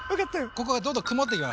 ここがどんどん曇ってきます。